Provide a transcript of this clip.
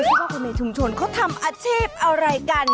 ว่าคนในชุมชนเขาทำอาชีพอะไรกัน